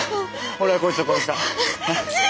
俺がこいつを殺した。